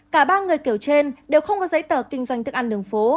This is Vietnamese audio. cả ba người kiểu trên đều không có giấy tờ kinh doanh thức ăn đường phố